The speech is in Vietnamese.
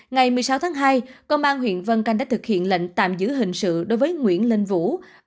ngày một mươi sáu tháng hai công an huyện vân canh đã thực hiện lệnh tạm giữ hình sự đối với nguyễn linh vũ